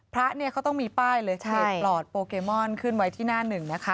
พระเนี่ยเขาต้องมีป้ายเลยเพจปลอดโปเกมอนขึ้นไว้ที่หน้าหนึ่งนะคะ